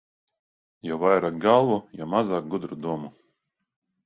Jo vairāk galvu, jo mazāk gudru domu.